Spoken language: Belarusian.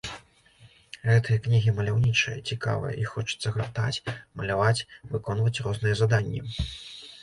Гэтыя кнігі маляўнічыя, цікавыя, іх хочацца гартаць, маляваць выконваць розныя заданні.